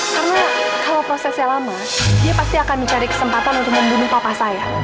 karena kalau prosesnya lama dia pasti akan mencari kesempatan untuk membunuh papa saya